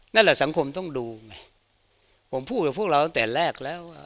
นั่นแหละสังคมต้องดูไงผมพูดกับพวกเราตั้งแต่แรกแล้วว่า